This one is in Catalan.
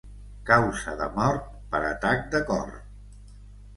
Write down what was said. Causa de mort per atac de cor.